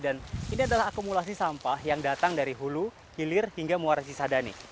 dan ini adalah akumulasi sampah yang datang dari hulu hilir hingga muara cisadane